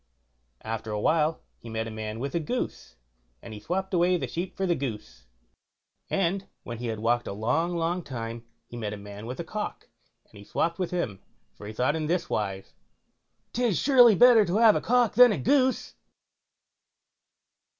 After a while he met a man with a goose, and he swopped away the sheep for the goose; and when he had walked a long, long time, he met a man with a cock, and he swopped with him, for he thought in this wise, "'Tis surely better to have a cock than a goose."